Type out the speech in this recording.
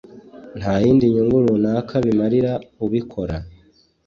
ntayindi nyungu runaka bimarira ubikora.